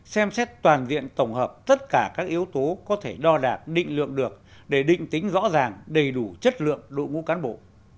xem xét toàn diện tổng hợp tất cả các yếu tố có thể đo đạt định lượng được để định tính rõ ràng đầy đủ chất lượng đội ngũ cán bộ